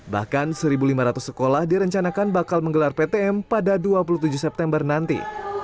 bahkan satu lima ratus sekolah direncanakan bakal menggelar ptm pada dua puluh tujuh september nanti